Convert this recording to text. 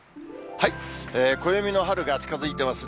暦の春が近づいてますね。